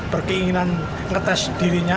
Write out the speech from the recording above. berkeinginan ngetes dirinya